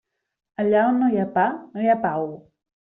Allà on no hi ha pa no hi ha pau.